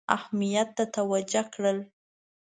اهمیت ته متوجه کړل.